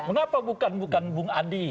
mengapa bukan bung adi